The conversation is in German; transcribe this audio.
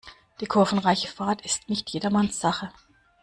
Die kurvenreiche Fahrt ist nicht jedermanns Sache.